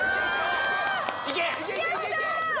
いけ、いけ！